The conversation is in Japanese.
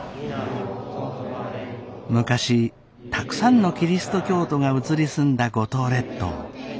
昔たくさんのキリスト教徒が移り住んだ五島列島。